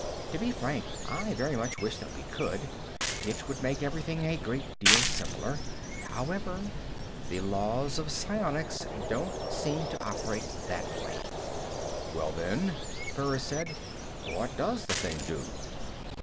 To be frank, I very much wish that we could; it would make everything a great deal simpler. However, the laws of psionics don't seem to operate that way." "Well, then," Burris said, "what does the thing do?"